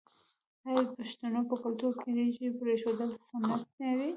آیا د پښتنو په کلتور کې د ږیرې پریښودل سنت نه دي؟